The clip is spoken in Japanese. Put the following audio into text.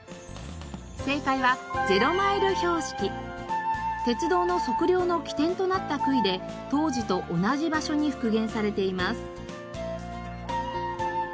正解は鉄道の測量の起点となった杭で当時と同じ場所に復元されています。